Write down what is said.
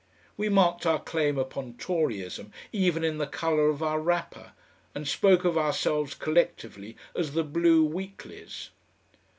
We marked our claim upon Toryism even in the colour of our wrapper, and spoke of ourselves collectively as the Blue Weeklies.